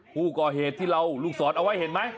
ผู้ก่อเหตุที่เราลูกศรเอาไว้เห็นไหม